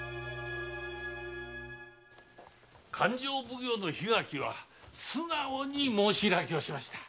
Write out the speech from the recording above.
勘定奉行の桧垣は素直に申し開きをしました。